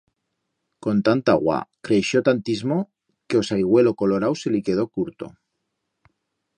Con tanta agua creixió tantismo que o saigüelo colorau se li quedó curto.